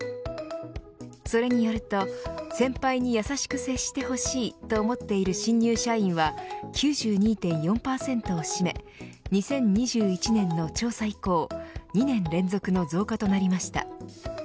それによると先輩に優しく接してほしいと思っている新入社員は９２．４％を占め２０２１年の調査以降２年連続の増加となりました。